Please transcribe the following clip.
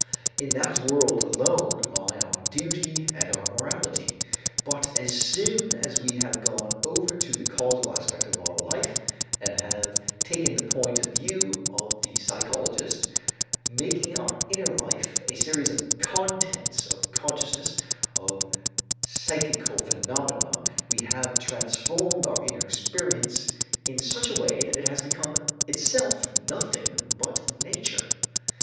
In that world alone lie our duty and our morality. But as soon as we have gone over to the causal aspect of our life and have taken the point of view of the psychologist, making our inner life a series of contents of consciousness, of psychical phenomena, we have transformed our inner experience in such a way that it has become itself nothing but nature.